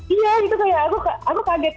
iya itu kayak aku kaget